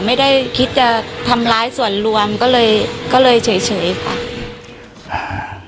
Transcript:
ไม่ได้คิดต้องทำร้ายส่วนรวมก็เลยเฉยค่ะ